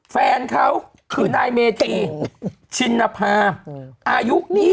แฟนเขาคือนายเมจีชินภาอายุนี้